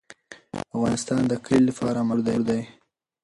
افغانستان د کلي لپاره مشهور دی.